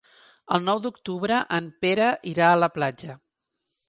El nou d'octubre en Pere irà a la platja.